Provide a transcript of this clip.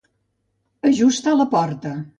Ajustar la porta.